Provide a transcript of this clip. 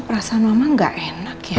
kok perasaan mama nggak enak ya